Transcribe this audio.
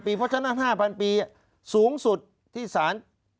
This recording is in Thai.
เพราะฉะนั้น๕๐๐ปีสูงสุดที่สาร